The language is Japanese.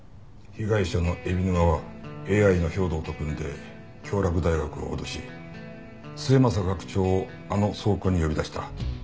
被害者の海老沼はＡＩの兵働と組んで京洛大学を脅し末政学長をあの倉庫に呼び出した。